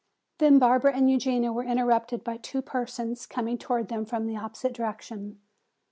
Then Barbara and Eugenia were interrupted by two persons coming toward them from the opposite direction.